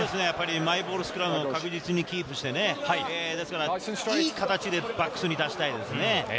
マイボールスクラムを確実にキープして、いい形でバックスに出したいですね。